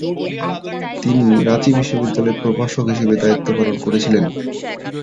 তিনি রাঁচি বিশ্ববিদ্যালয়ের প্রভাষক হিসাবে দায়িত্ব পালন করেছিলেন।